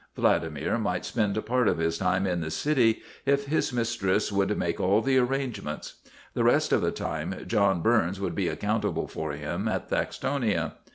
Vladimir might spend part of his time in the city if his mis tress would make all the arrangements; the rest of the time John Burns would be accountable for him at Thaxtonia.